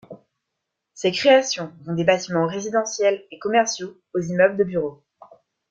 Ses créations vont des bâtiments résidentiel et commerciaux aux immeubles de bureaux.